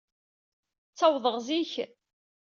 Ttawḍeɣ zik.